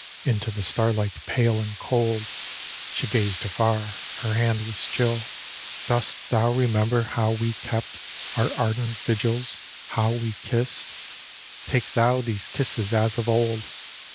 — Into the starlight, pale and cold. She gazed afar — her hand was chill :" Dost thou remember how we kept Our ardent vigils? — how we kissed? — Take thou these kisses as of old